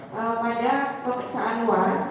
pada perperiksaan luar